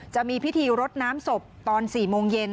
จะมีพิธีรดน้ำศพตอน๔โมงเย็น